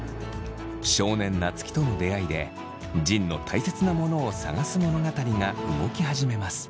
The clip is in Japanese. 少年夏樹との出会いで仁のたいせつなものを探す物語が動き始めます。